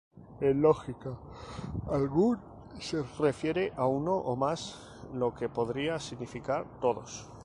En lógica, "algún" se refiere a "uno o más", lo que podría significar "todos".